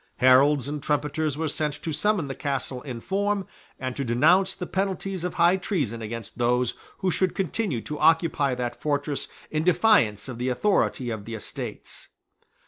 Heralds and trumpeters were sent to summon the Castle in form, and to denounce the penalties of high treason against those who should continue to occupy that fortress in defiance of the authority of the Estates.